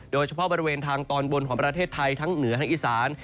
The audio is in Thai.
โดยเฉพาะบริเวณทางตอนบนของประเทศไทยทั้งเหนือทั้งอีสาน